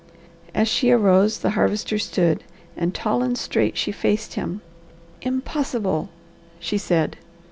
As she arose the Harvester stood, and tall and straight she faced him. "Impossible!" she said.